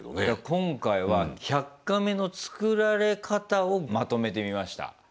今回は「１００カメ」の作られ方をまとめてみました。